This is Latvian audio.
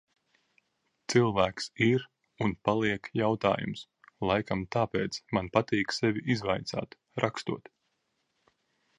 Cilvēks ir un paliek jautājums. Laikam tāpēc man patīk sevi izvaicāt, rakstot.